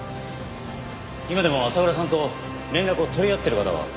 今でも浅倉さんと連絡を取り合ってる方は？